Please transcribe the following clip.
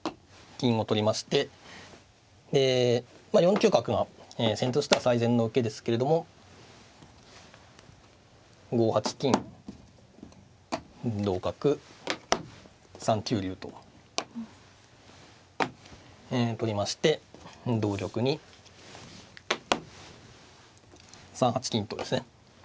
九角が先手としては最善の受けですけれども５八金同角３九竜と取りまして同玉に３八金とですね